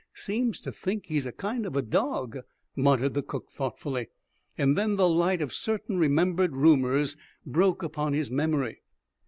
"Seems to think he's a kind of a dawg," muttered the cook thoughtfully. And then the light of certain remembered rumors broke upon his memory.